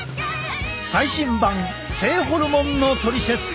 最新版性ホルモンのトリセツ！